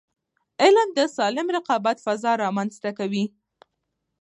علم د سالم رقابت فضا رامنځته کوي.